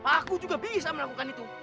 aku juga bisa melakukan itu